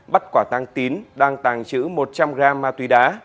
bắt quả tàng tín đang tàng chữ một trăm linh gram ma túy đá